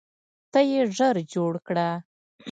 ته یې ژر جوړ کړه.